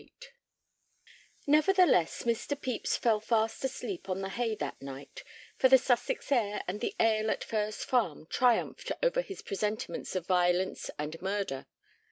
XXVIII Nevertheless, Mr. Pepys fell fast asleep on the hay that night, for the Sussex air and the ale at Furze Farm triumphed over his presentiments of violence and murder.